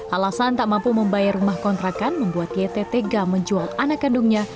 alasan tak mampu membayar rumah kontrakan membuat yt tega menjual anak kandungnya